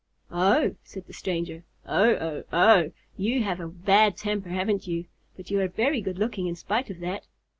"Oh!" said the stranger. "Oh! oh! oh! You have a bad temper, haven't you? But you are very good looking in spite of that."